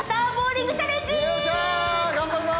頑張りまーす！